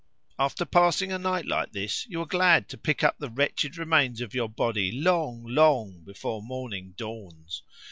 After passing a night like this you are glad to pick up the wretched remains of your body long, long before morning dawns.